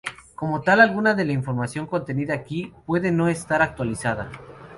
Como tal alguna de la información contenida aquí puede no estar actualizada.